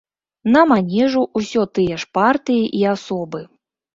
На манежу ўсё тыя ж партыі і асобы.